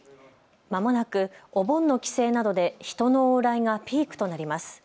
まもなくお盆の帰省などで人の往来がピークとなります。